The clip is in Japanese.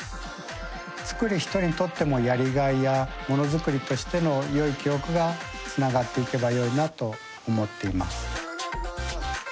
作る人にとってもやりがいやものづくりとしてのよい記憶がつながっていけばよいなと思っています。